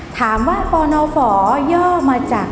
ถามว่าปอล์นอฟอร์เยอะมาจาก